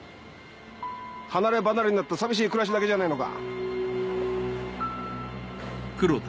離れ離れになって寂しい暮らしだけじゃねえのか？